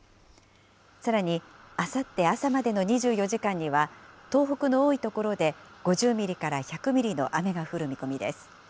さらに、あさって朝までの２４時間には、東北の多い所で５０ミリから１００ミリの雨が降る見込みです。